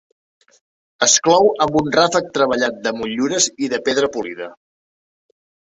Es clou amb un ràfec treballat de motllures i de pedra polida.